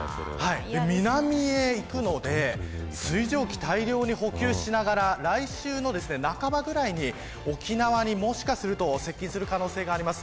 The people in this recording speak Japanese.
南へ行くので水蒸気、大量に補給しながら来週の半ばぐらいに沖縄にもしかすると接近する可能性があります。